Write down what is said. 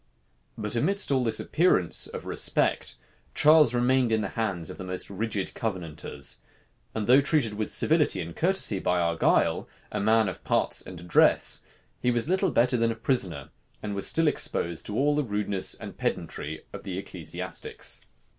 But amidst all this appearance of respect, Charles remained in the hands of the most rigid Covenanters; and though treated with civility and courtesy by Argyle, a man of parts and address, he was little better than a prisoner, and was still exposed to all the rudeness and pedantry of the ecclesiastics.